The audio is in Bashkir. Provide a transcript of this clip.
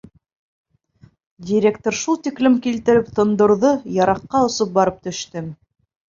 Директор шул тиклем килтереп тондорҙо, йыраҡҡа осоп барып төштөм.